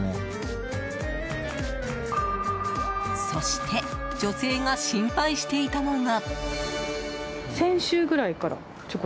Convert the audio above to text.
そして女性が心配していたのが。